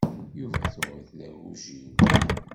Yuba tuɣ-it d agujil.